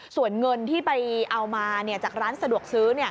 ส่วนเงินที่ไปเอามาจากร้านสะดวกซื้อ